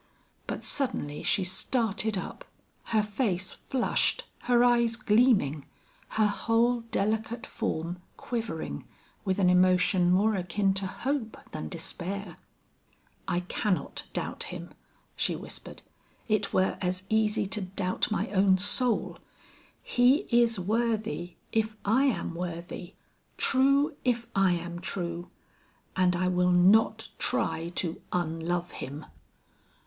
But suddenly she started up, her face flushed, her eyes gleaming, her whole delicate form quivering with an emotion more akin to hope than despair. "I cannot doubt him," she whispered; "it were as easy to doubt my own soul. He is worthy if I am worthy, true if I am true; and I will not try to unlove him!"